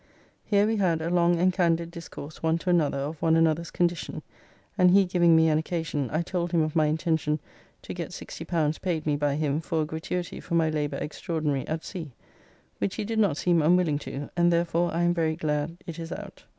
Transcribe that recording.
Here we had a long and candid discourse one to another of one another's condition, and he giving me an occasion I told him of my intention to get L60 paid me by him for a gratuity for my labour extraordinary at sea. Which he did not seem unwilling to, and therefore I am very glad it is out.